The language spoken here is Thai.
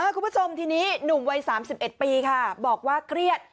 คุณผู้ชมทีนี้หนุ่มวัย๓๑ปีค่ะบอกว่าเครียด